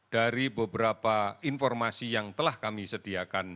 dari beberapa informasi yang telah kami sediakan